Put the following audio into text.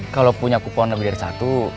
kalau punya kupon lebih dari satu